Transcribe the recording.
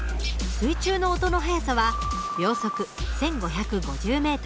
水中の音の速さは秒速１，５５０ｍ。